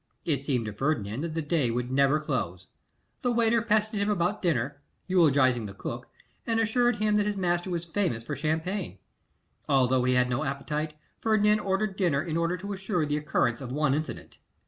It seemed to Ferdinand that the day would never close. The waiter pestered him about dinner, eulogising the cook, and assuring him that his master was famous for champagne. Although he had no appetite, Ferdinand ordered dinner in order to ensure the occurrence of one incident.